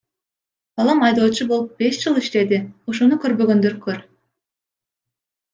Балам айдоочу болуп, беш жыл иштеди, ошону көрбөгөндөр көр.